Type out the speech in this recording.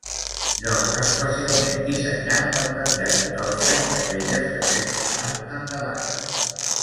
Lloc especialment dissenyat per penjar-hi torxes d'aquelles que sempre van endavant.